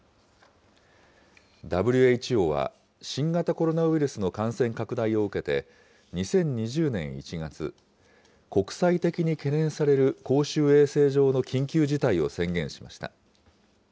ＷＨＯは、新型コロナウイルスの感染拡大を受けて、２０２０年１月、国際的に懸念される公衆衛生上の緊急事態を宣言しました。